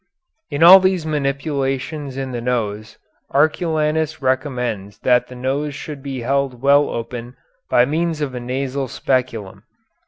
In all these manipulations in the nose Arculanus recommends that the nose should be held well open by means of a nasal speculum.